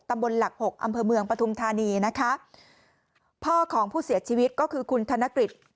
ตำบลหลักหกอำเภอเมืองปฐุมธานีนะคะพ่อของผู้เสียชีวิตก็คือคุณธนกฤษ